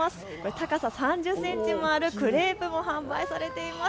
高さ３０センチもあるクレープも販売されています。